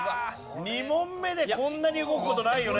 ２問目でこんなに動く事ないよね